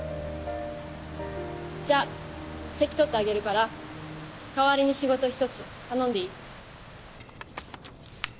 じゃあ席取ってあげるからかわりに仕事一つ頼んでいい？